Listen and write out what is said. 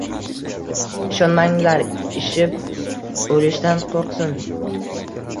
Ishonmaganlar ishib o‘lishdan qo‘rqsin